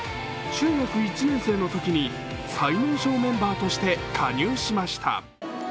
中学１年生のときに最年少メンバーとして加入しました。